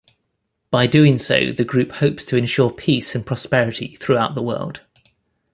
By doing so, the group hopes to ensure peace and prosperity throughout the world.